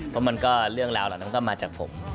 เพราะมันก็เรื่องราวเหล่านั้นก็มาจากผม